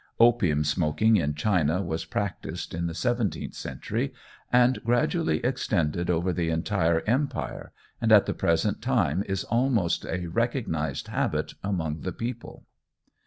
Opium smoking in China was practised in the seventeenth century, and gradually extended over the entire empire, and at the present time is almost a recognised habit among the people.